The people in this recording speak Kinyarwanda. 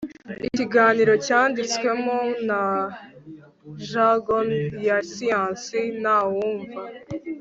ikiganiro cyanditswemo na jargon ya siyansi ntawumva